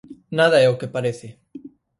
Nada é o que parece.